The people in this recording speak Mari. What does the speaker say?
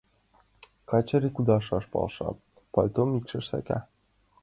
Качыри кудашаш полша, пальтом ишкыш сака.